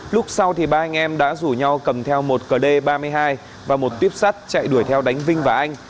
lúc sau thì ba anh em đã rủ nhau cầm theo một cd ba mươi hai và một tuyếp sắt chạy đuổi theo đánh vinh và anh